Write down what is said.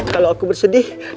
kalau aku bersedih